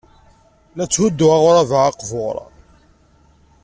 La tthudduɣ aɣrab-a aqbur.